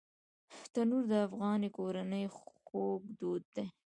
تنور د افغاني کورنۍ خوږ دود دی